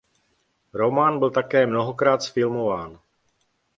Román byl také mnohokrát zfilmován.